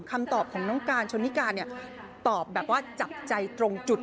คำตอบของน้องการชนนิการเนี่ยตอบแบบว่าจับใจตรงจุด